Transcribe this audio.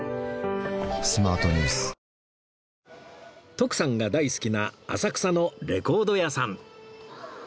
徳さんが大好きな浅草のレコード屋さん